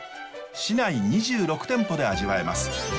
市内２６店舗で味わえます。